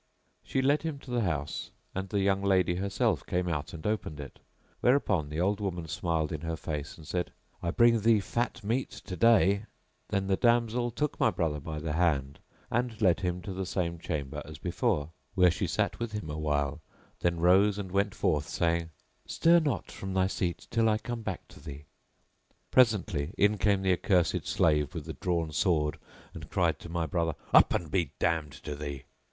She led him to the house and the young lady herself came out and opened it, whereupon the old woman smiled in her face and said, "I bring thee fat meat today."[FN#678] Then the damsel took my brother by the hand, and led him to the same chamber as before; where she sat with him awhile then rose and went forth saying, "Stir not from thy seat till I come back to thee." Presently in came the accursed slave with the drawn sword and cried to my brother, "Up and be damned to thee."